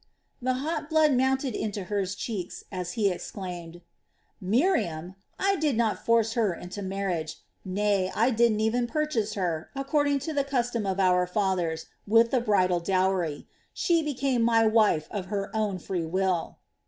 The hot blood mounted into Hur's cheeks, as he exclaimed: "Miriam! I did not force her into marriage; nay I did not even purchase her, according to the custom of our fathers, with the bridal dowry she became my wife of her own free will."